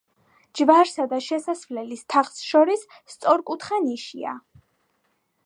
ჯვარსა და შესასვლელის თაღს შორის სწორკუთხა ნიშია.